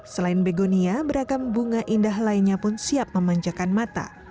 selain begonia beragam bunga indah lainnya pun siap memanjakan mata